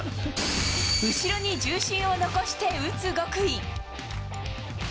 後ろに重心を残して打つ極意。